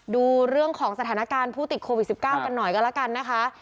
ดูเรื่องของสถานการณ์ผู้ติดโควิด๑๙กันหน่อยก็แล้วกันนะคะ